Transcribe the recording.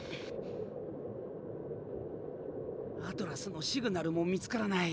アトラスのシグナルも見つからない。